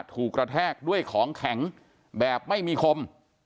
ถูกกระแทกด้วยของแข็งแบบไม่มีคม